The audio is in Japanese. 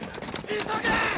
急げ！！